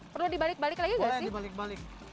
perlu dibalik balik lagi nggak sih